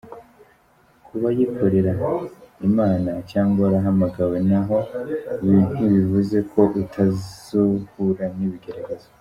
Kuba yikorera Imana cyangwa warahamagawe naho ntibivuze ko utazuhura nibigeragezo.